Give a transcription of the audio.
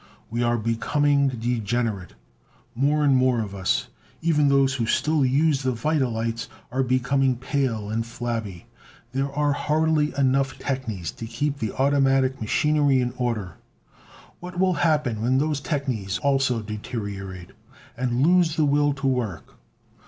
We are becoming degenerate. More and more of us, even those who still use the vita lights, are becoming pale and flabby. There are hardly enough technies to keep the automatic machinery in order. What will happen when those technies also deteriorate, and lose the will to work?